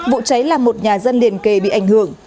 vụ cháy là một nhà dân liền kề bị ảnh hưởng